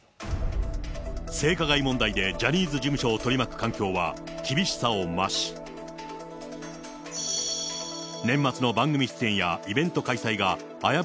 性加害問題でジャニーズ事務所を取り巻く環境は厳しさを増し、洗剤で驚くことなんて